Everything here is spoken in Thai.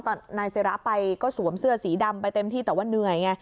นายศิราไปก็สวมเสื้อสีดำไปเต็มที่แต่ว่าเหนื่อยไง